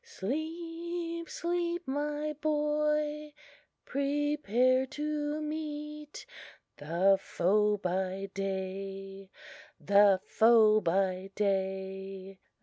Sleep, sleep, my boy; prepare to meet The foe by day the foe by day!